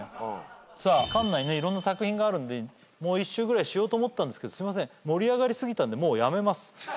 さあ館内ねいろんな作品があるんでもう１周ぐらいしようと思ったんですけどすいません盛り上がり過ぎたんでもうやめます。